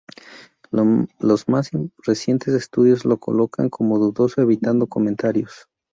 Los más recientes estudios lo colocan como dudoso evitando comentarios.